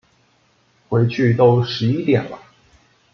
回去都十一点了